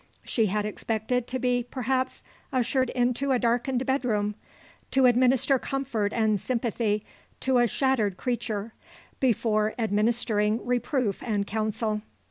She had expected to be perhaps ushered into a darkened bedroom; to administer comfort and sympathy to a shattered creature before administering reproof and counsel.